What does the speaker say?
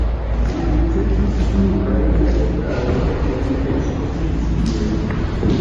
Li ricevis plurajn medalojn en ekspozicioj.